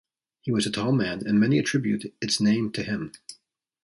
He was a tall man and many attribute its name to him.